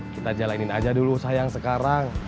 kita jalanin aja dulu sayang sekarang